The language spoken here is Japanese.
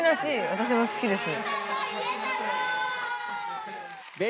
私も好きです。